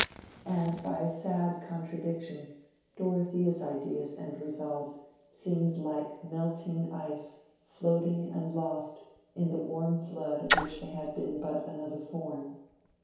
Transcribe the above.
And by a sad contradiction Dorothea's ideas and resolves seemed like melting ice floating and lost in the warm flood of which they had been but another form.